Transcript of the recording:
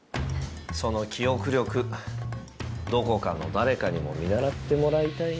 その記憶力どこかの誰かにも見習ってもらいたいなぁ。